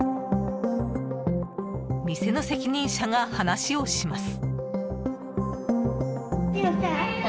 店の責任者が話をします。